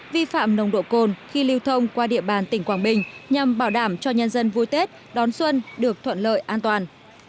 vi phạm nồng độ cồn khi lưu thông qua địa bàn tỉnh quảng bình nhằm bảo đảm cho nhân dân vui tết đón xuân được thuận lợi an toàn